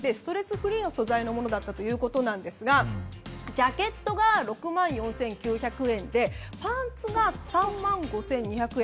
フリーの素材だったということですがジャケットが６万４９００円でパンツが３万５２００円。